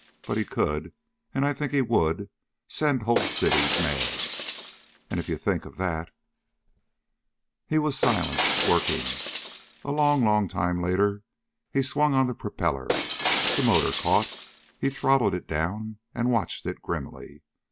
But he could and I think he would send whole cities mad. And if you think of that...." He was silent, working. A long, long time later he swung on the propeller. The motor caught. He throttled it down and watched it grimly.